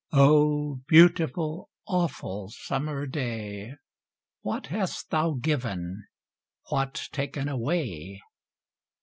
O beautiful, awful summer day, What hast thou given, what taken away?